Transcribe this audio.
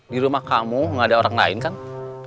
di rumah kamu gak ada orang lain kan